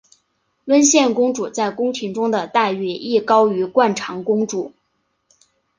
温宪公主在宫廷中的待遇亦高于惯常公主。